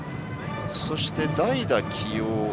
そして、代打起用。